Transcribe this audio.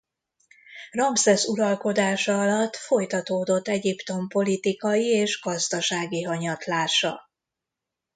Ramszesz uralkodása alatt folytatódott Egyiptom politikai és gazdasági hanyatlása.